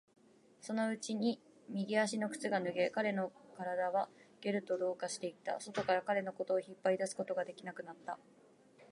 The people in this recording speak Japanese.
そのうちに右足の靴が脱げ、彼の体はゲルと同化していった。外から彼のことを引っ張り出すことができなくなった。